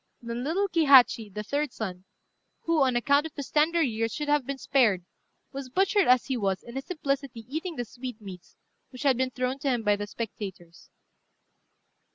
Then little Kihachi, the third son, who, on account of his tender years, should have been spared, was butchered as he was in his simplicity eating the sweetmeats which had been thrown to him by the spectators.